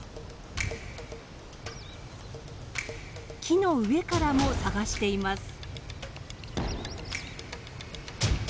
木の上からも探しています。